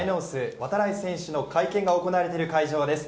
度会選手の会見が行われている会場です。